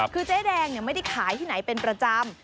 คือเจ๊แดงไม่ได้ขายที่ไหนเป็นประจำ